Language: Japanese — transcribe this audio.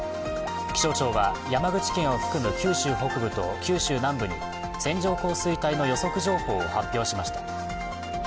気象庁は山口県を含む九州北部と九州南部に線状降水帯の予測情報を発表しました。